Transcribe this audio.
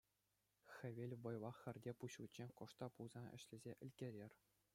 Хӗвел вӑйлах хӗрте пуҫличчен кӑшт та пулсан ӗҫлесе ӗлкӗрер.